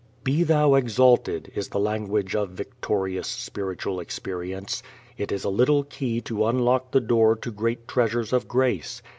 "Be thou exalted" is the language of victorious spiritual experience. It is a little key to unlock the door to great treasures of grace.